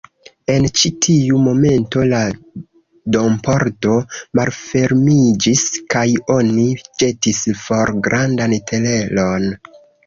En ĉi tiu momento la dompordo malfermiĝis, kaj oni ĵetis for grandan teleron.